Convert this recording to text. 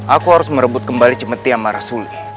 aku harus merebut kembali cemeti sama rasuli